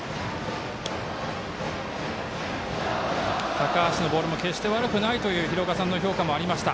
高橋のボールも決して悪くないという廣岡さんの評価もありました。